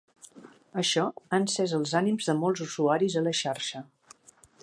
Això ha encès els ànims de molts usuaris a la xarxa.